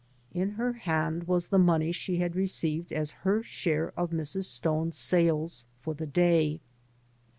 In her hand was the money she had received as her share of Mrs. Stone's sales for the day.